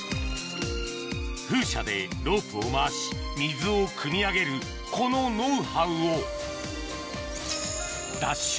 風車でロープを回し水をくみ上げるこのノウハウをＤＡＳＨ